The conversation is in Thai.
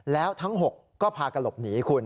แล้วทั้ง๖ก็พากระหลบหนีคุณ